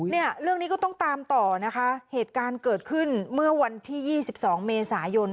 เนี่ยเรื่องนี้ก็ต้องตามต่อนะคะเหตุการณ์เกิดขึ้นเมื่อวันที่๒๒เมษายน